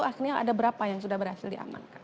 aduh aslinya ada berapa yang sudah berhasil diamankan